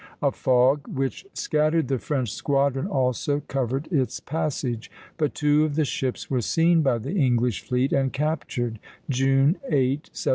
A fog which scattered the French squadron also covered its passage; but two of the ships were seen by the English fleet and captured, June 8, 1755.